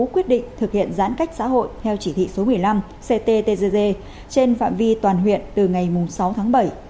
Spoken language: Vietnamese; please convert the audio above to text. quyết định thực hiện giãn cách xã hội theo chỉ thị số một mươi năm cttg trên phạm vi toàn huyện từ ngày sáu tháng bảy